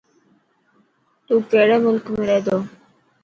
تو ڪهڙي ملڪ ۾ رهي و.